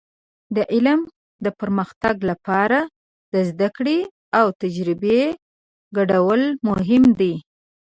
د علم د پرمختګ لپاره د زده کړې او تجربې ګډول مهم دي.